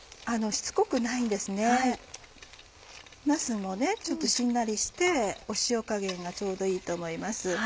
なすもちょっとしんなりして塩加減がちょうどいいと思います。